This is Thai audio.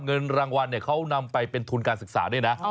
เงินรางวัลเขานำไปเป็นทุนการศึกษาด้วยนะ